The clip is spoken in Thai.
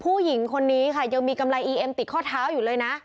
ผู้หญิงคนนี้ค่ะยังมีกำไรอีเอ็มติดข้อเท้าอยู่เลยนะ